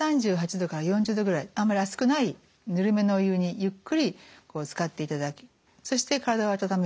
℃から４０℃ぐらいあんまり熱くないぬるめのお湯にゆっくりつかっていただきそして体を温める。